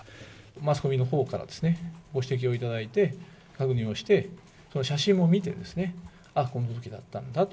マスコミのほうからですね、ご指摘をいただいて、確認をして、その写真も見てですね、あっ、このときだったんだと。